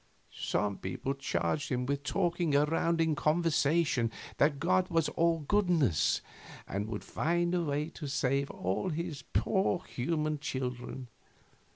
Some people charged him with talking around in conversation that God was all goodness and would find a way to save all his poor human children.